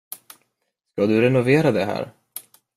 Ska du renovera det här?